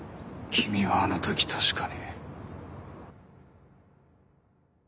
君はあの時確かに。